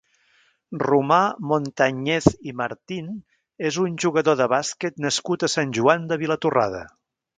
Romà Montañez i Martín és un jugador de bàsquet nascut a Sant Joan de Vilatorrada.